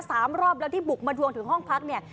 สามรอบแล้วที่บุกมาทวงถึงห้องพักเนี่ย